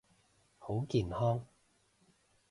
好健康！